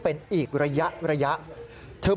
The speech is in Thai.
เล่าว่าเธอตกใจเหมือนกันกับเสียงปืนที่ดังต่อเนื่อง